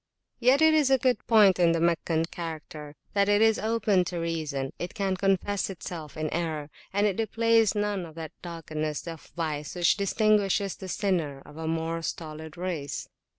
Yet it is a good point in the Meccan character, that it is open to reason, it can confess itself [p.237] in error, and it displays none of that doggedness of vice which distinguishes the sinner of a more stolid race.